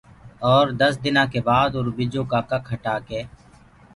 اور دس دنآ ڪي بآد اُرو ٻجو ڪآ ڪک هٽآ ڪي